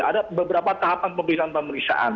ada beberapa tahapan pemeriksaan pemeriksaan